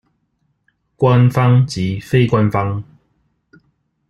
官方及非官方